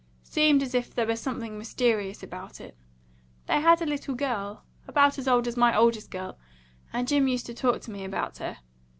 Seemed as if there was something mysterious about it. They had a little girl, about as old as my oldest girl, and Jim used to talk to me about her.